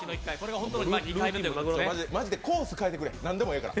マジでコース変えてくれ、なんでもいいから。